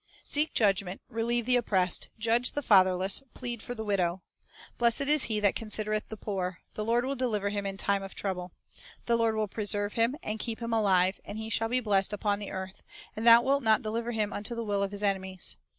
1 "Seek judgment, relieve the oppressed, judge the fatherless, plead for the widow." "Blessed is he that considereth the poor; the Lord will deliver him in time of trouble. The Lord will preserve him, and keep him alive; and he shall be blessed upon the earth; and Thou wilt not deliver him unto the will of his enemies."